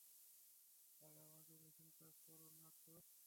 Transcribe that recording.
আরে, আমাকে নিয়ে চিন্তা করো না তো।